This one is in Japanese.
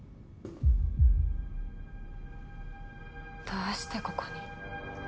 どうしてここに？